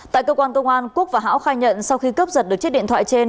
tại cơ quan công an quốc và ho khai nhận sau khi cướp giật được chiếc điện thoại trên